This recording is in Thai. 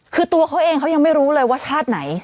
คือตัวเขาเองเขายังไม่รู้เลยว่าชาติไหน